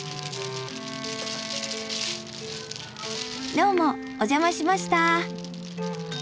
どうもお邪魔しました。